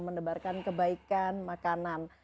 menebarkan kebaikan makanan